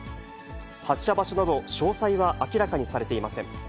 発射場所など詳細は明らかにされていません。